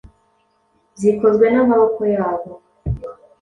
zikozwe n’amaboko yabo,